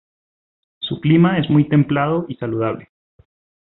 Su clima es muy templado y saludable.